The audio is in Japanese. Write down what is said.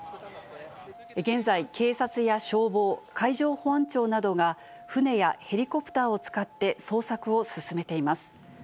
現在、警察や消防、海上保安庁などが、船やヘリコプターを使って捜索を進めています。